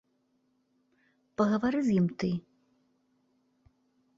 Пагавары з ім ты.